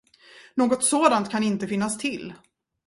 Något sådant kan inte finnas till.